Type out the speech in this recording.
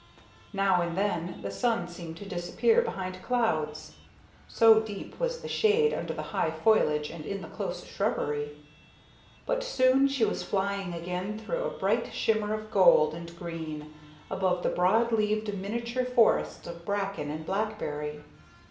Now and then the sun seemed to disappear behind clouds, so deep was the shade under the high foliage and in the close shrubbery; but soon she was flying again through a bright shimmer of gold and green above the broad leaved miniature forests of bracken and blackberry.